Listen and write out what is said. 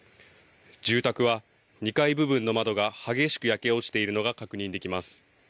住宅は２階部分の窓が激しく焼け落ちているのが確認できます。